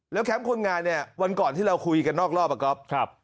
แคมป์คนงานเนี่ยวันก่อนที่เราคุยกันนอกรอบอะก๊อฟ